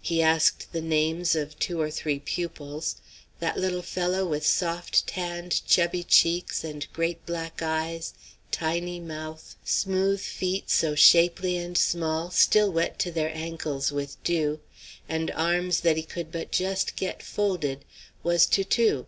He asked the names of two or three pupils. That little fellow with soft, tanned, chubby cheeks and great black eyes, tiny mouth, smooth feet so shapely and small, still wet to their ankles with dew, and arms that he could but just get folded, was Toutou.